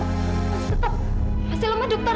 masih lemah dokter